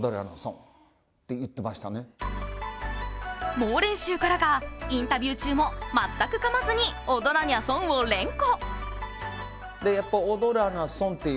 猛練習からか、インタビュー中も全くかまずに「踊らにゃ損」を連呼。